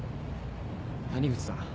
谷口さん